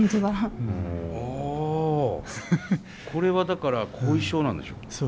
ああこれはだから後遺症なんでしょうか？